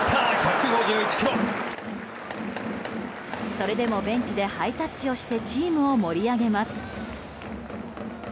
それでもベンチでハイタッチをしてチームを盛り上げます。